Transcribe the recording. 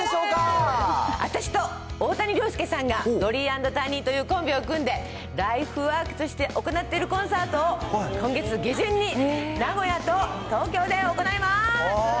私と大谷亮介さんが、ドリー＆タニーというコンビを組んで、ライフワークとして行っているコンサートを、今月下旬に名古屋と東京で行います。